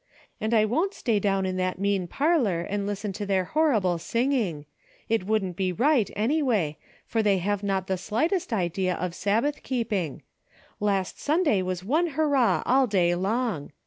And I won't stay down in that mean parlor and listen to their horrible singing. It wouldn't be right anyway, for they have not the slightest idea of Sabbath keeping. Last Sunday was one hurrah all day long.